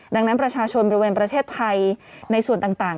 ดังนั้นประชาชนบริเวณประเทศไทยในส่วนต่าง